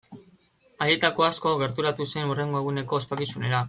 Haietako asko gerturatu zen hurrengo eguneko ospakizunera.